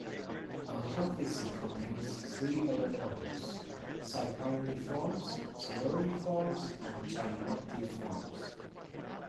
Otophysi contains three other orders, Cypriniformes, Siluriformes, and Gymnotiformes.